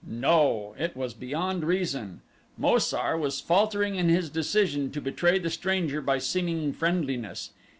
No, it was beyond reason. Mo sar was faltering in his decision to betray the stranger by seeming friendliness.